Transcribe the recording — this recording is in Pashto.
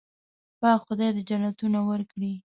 پاک خدای دې جنتونه ورکړي.